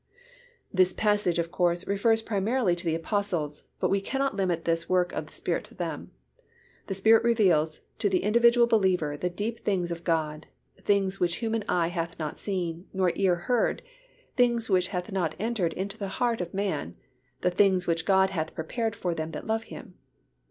This passage, of course, refers primarily to the Apostles but we cannot limit this work of the Spirit to them. The Spirit reveals to the individual believer the deep things of God, things which human eye hath not seen, nor ear heard, things which have not entered into the heart of man, the things which God hath prepared for them that love Him.